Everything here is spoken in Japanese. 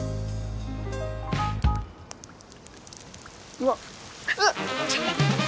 うわっうわっ